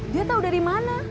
dia tau dari mana